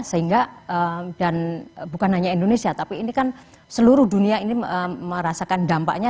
sehingga dan bukan hanya indonesia tapi ini kan seluruh dunia ini merasakan dampaknya